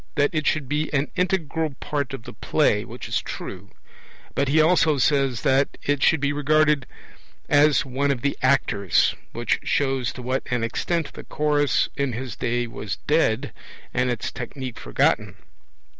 65) that it should be an integral part of the play, which is true; but he also says that it' should be regarded as one of the actors', which shows to what an extent the Chorus in his day was dead and its technique forgotten.